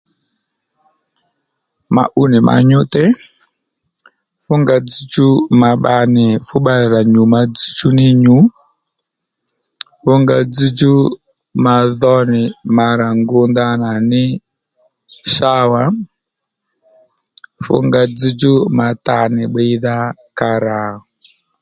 Ma ú nì ma nyú tey fú nga dzzdjú ma bba nì fú bbalè rà nyù ma dzzdjú ní nyû fú nga dzzdjú ma dho nì ma ra ngu ndanà ní sáwà fú nga dzzdjú ma ta nì bbiydha ka rà